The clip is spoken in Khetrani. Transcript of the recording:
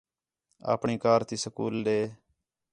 آپݨی کار تی سکول ݙے